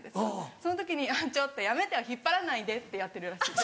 その時に「ちょっとやめてよ引っ張らないで」ってやってるらしいです。